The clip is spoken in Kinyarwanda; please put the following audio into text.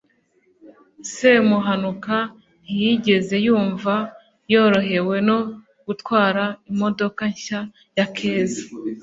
semuhanuka ntiyigeze yumva yorohewe no gutwara imodoka nshya ya keza